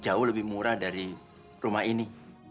jauh lebih murah dari rumah ini